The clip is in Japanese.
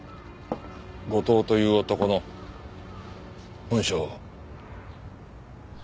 後藤という男の本性を。